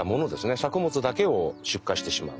作物だけを出荷してしまう。